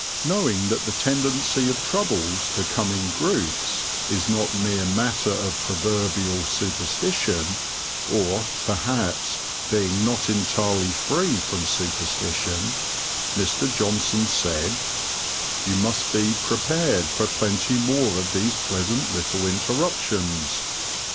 Knowing that the tendency of troubles to come in groups is not mere matter of proverbial superstition, or, perhaps, being not entirely free from superstition, Mr. Johnson said, "You must be prepared for plenty more of these pleasant little interruptions.